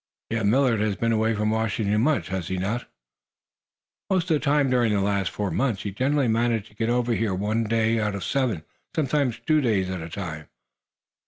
"Yet Millard has been away from Washington much, has he not?" "Most of the time during the last four months. He generally managed to get over here for one day out of the seven; sometimes two days at a time."